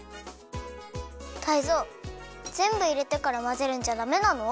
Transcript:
タイゾウぜんぶいれてからまぜるんじゃダメなの？